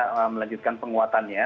kita melanjutkan penguatannya